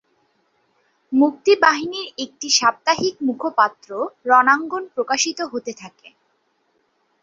মুক্তিবাহিনীর একটি সাপ্তাহিক মুখপাত্র রণাঙ্গন প্রকাশিত হতে থাকে।